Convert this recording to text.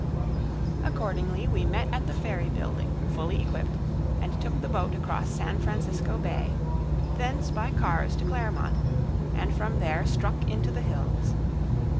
Accordingly, we met at the Ferry Building, fully equipped, and took the boat across San Francisco Bay, thence by cars to Claremont, and from there struck into the hills.